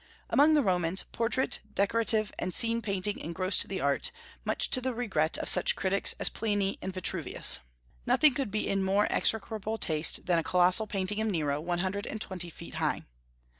Among the Romans portrait, decorative, and scene painting engrossed the art, much to the regret of such critics as Pliny and Vitruvius. Nothing could be in more execrable taste than a colossal painting of Nero, one hundred and twenty feet high.